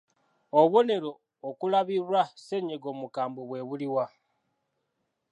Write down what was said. Obubonero okulabirwa Ssennyiga omukambwe bwe buli wa?